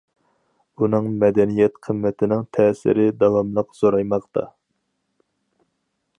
ئۇنىڭ مەدەنىيەت قىممىتىنىڭ تەسىرى داۋاملىق زورايماقتا.